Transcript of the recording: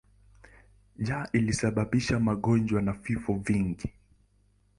Njaa ilisababisha magonjwa na vifo vingi.